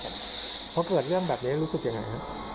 เพราะเกิดเรื่องแบบนี้รู้สึกยังไงครับ